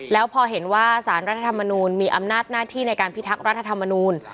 แล้วพอเห็นว่าสารรัฐธรรมนูลมีอำนาจหน้าที่ในการพิทักษ์รัฐธรรมนูล